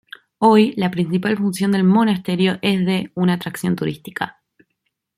Hoy la principal función del monasterio es de una atracción turística.